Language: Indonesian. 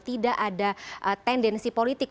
tidak ada tendensi politik